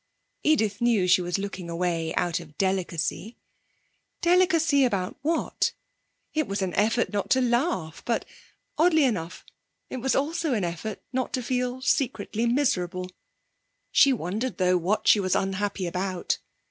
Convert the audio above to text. Edith knew she was looking away out of delicacy. Delicacy about what? It was an effort not to laugh; but, oddly enough, it was also an effort not to feel secretly miserable. She wondered, though, what she was unhappy about.